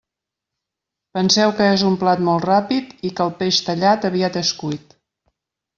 Penseu que és un plat molt ràpid i que el peix tallat aviat és cuit.